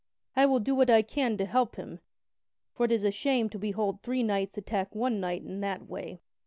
I will do what I can to help him; for it is a shame to behold three knights attack one knight in that way.